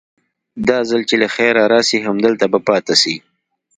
دا ځل چې له خيره راسي همدلته به پاته سي.